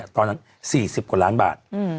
ตอนนั้น๔๐กว่าล้านบาท